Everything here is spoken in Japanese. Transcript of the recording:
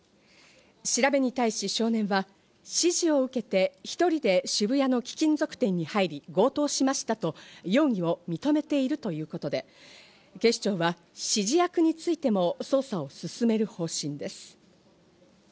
調べに対し少年は、指示を受けて１人で渋谷の貴金属店に入り強盗しましたと、容疑を認めているということで警視庁は指示役についても捜査を進める方針です。